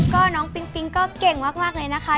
ก็น้องปิ๊งปิ๊งก็เก่งมากเลยนะคะ